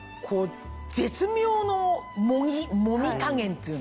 絶妙のもみ加減っていうの？